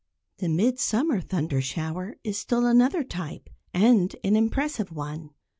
The mid summer thundershower is still another type, and an impressive one.